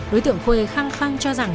đối tượng khuê khăng khăng cho rằng